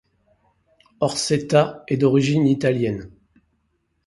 Orsetta est d'origine italienne.